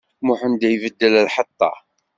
Muḥend ibeddel lḥeṭṭa.